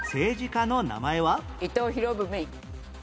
伊藤博文。